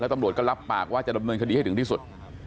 ตำรวจก็รับปากว่าจะดำเนินคดีให้ถึงที่สุด